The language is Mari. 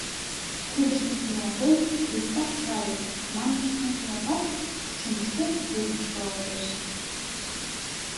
Кидыштым шуялтен, «криста райи» манмыштым колатат, шӱмышкет вӱр кышкалалтеш.